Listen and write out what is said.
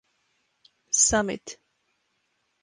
Summit.